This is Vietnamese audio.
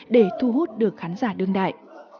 để thu hút được khán giả đương đại